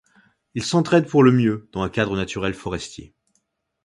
Ils s'entraident pour le mieux dans un cadre naturel forestier.